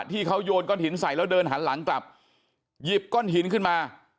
ที่เขาโยนก้อนหินใส่แล้วเดินหันหลังกลับหยิบก้อนหินขึ้นมา